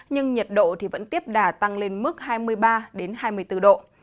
nhưng nhiệt độ vẫn tiếp đà tăng lên mức hai mươi ba hai mươi bốn độ